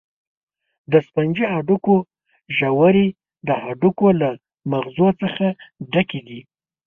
د سفنجي هډوکو ژورې د هډوکو له مغزو څخه ډکې دي.